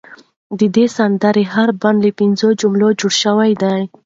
د دې سندرې هر بند له پنځو جملو جوړ شوی دی.